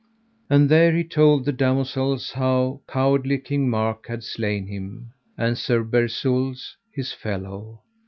And there he told the damosels how cowardly King Mark had slain him, and Sir Bersules, his fellow.